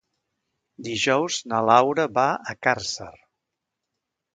Dijous na Laura va a Càrcer.